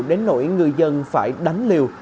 đến nỗi người dân phải đánh liều